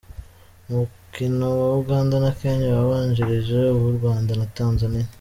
Umukino wa Uganda na Kenya wabanjirije uw'u Rwanda na Tanzania .